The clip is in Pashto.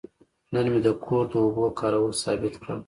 نن مې د کور د اوبو کارول ثابت کړل.